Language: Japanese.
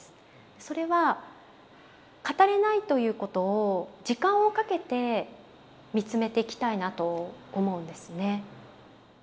それは語れないということを時間をかけてみつめていきたいなと思うんですね。